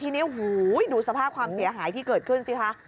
ทีนี้ดูสภาพความเสียหายที่เกิดขึ้นสิคะ